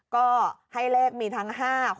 ก็ให้เลขมีทั้ง๕๖